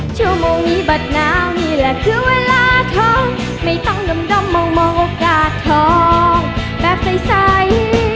ชั่วโมงมีบัตรหนาวนี่แหละคือเวลาท้องไม่ต้องดมมองโอกาสทองแบบใส